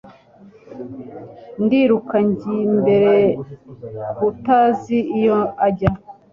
ndi ruka ngi mbere nkutazi iyo ajya